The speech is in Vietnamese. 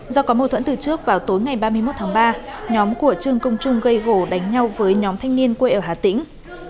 do có mâu thuẫn từ trước vào tối ngày ba mươi một tháng ba nhóm của trương công trung gây gổ đánh nhau với nhóm thanh niên quê ở hà tĩnh